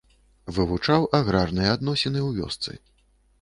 Вывучаў аграрныя адносіны ў вёсцы.